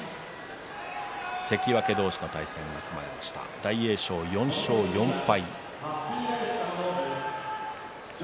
関脇同士の対戦が組まれました大栄翔４勝４敗。